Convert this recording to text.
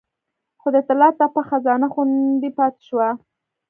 خو د طلا تپه خزانه خوندي پاتې شوه